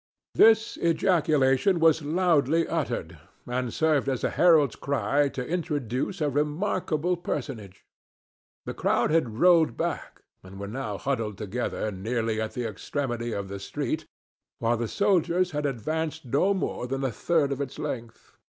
This ejaculation was loudly uttered, and served as a herald's cry to introduce a remarkable personage. The crowd had rolled back, and were now huddled together nearly at the extremity of the street, while the soldiers had advanced no more than a third of its length.